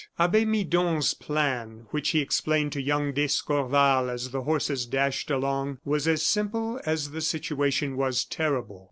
Abbe Midon's plan, which he explained to young d'Escorval, as the horses dashed along, was as simple as the situation was terrible.